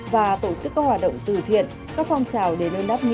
và tổ chức các hoạt động từ thiện các phong trào để nâng đáp nghĩa